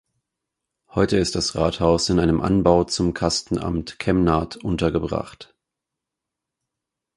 Heute ist das Rathaus in einem Anbau zum Kastenamt Kemnath untergebracht.